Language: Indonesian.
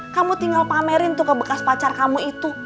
kamu tinggal pamerin tuh ke bekas pacar kamu itu